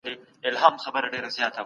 موږ په پښتو ژبي خپل علم ساتو.